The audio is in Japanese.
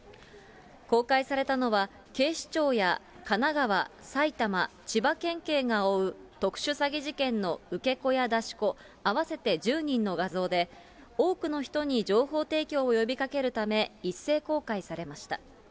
公開されたのは警視庁や神奈川、埼玉、千葉県警が追う特殊詐欺事件の受け子や出し子、合わせて１０人の画像で、多くの人に情報提供を呼びかけるため、一世公開されました。